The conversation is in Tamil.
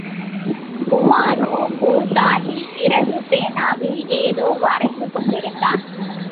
உமாரோ ஒரு தாளில் இறகு பேனாவில் ஏதோ வரைந்து கொண்டிருந்தான்.